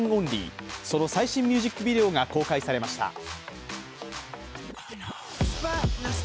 その最新ミュージックビデオが公開されました。